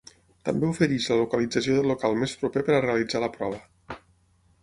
També ofereix la localització del local més proper per a realitzar la prova.